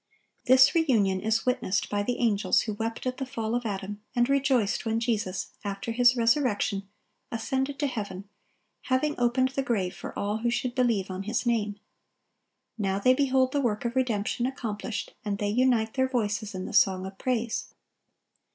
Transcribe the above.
This reunion is witnessed by the angels who wept at the fall of Adam, and rejoiced when Jesus, after His resurrection, ascended to heaven, having opened the grave for all who should believe on His name. Now they behold the work of redemption accomplished, and they unite their voices in the song of praise.